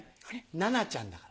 菜那ちゃんだから。